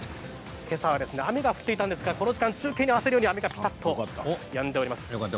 けさは雨が降っていたんですがこの時間中継に合わせるように雨がぱっとやんでいます。